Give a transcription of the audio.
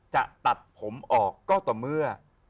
จะตัดผมออกก็ต่อเมื่อ